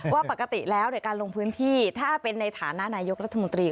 ว่าปกติแล้วการลงพื้นที่ถ้าเป็นในฐานะนายกรัฐมนตรี